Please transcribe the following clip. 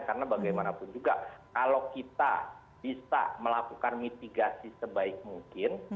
karena bagaimanapun juga kalau kita bisa melakukan mitigasi sebaik mungkin